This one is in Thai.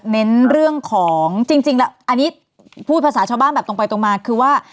เน้นเรื่องของจริงแล้วอันนี้พูดภาษาชาวบ้านแบบตรงไปตรงมาคือว่า